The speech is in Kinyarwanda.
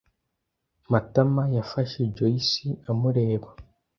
Matama yafashe Joyci amureba.